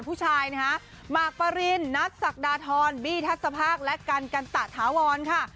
ผู้ชายนะฮะหมากปรินนัทศักดาทรบี้ทัศภาคและกันกันตะถาวรค่ะ